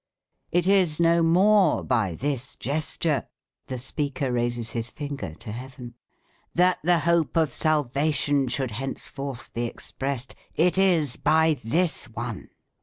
It is no more by this gesture (the speaker raises his finger to heaven), that the hope of salvation should henceforth be expressed, it is by this one.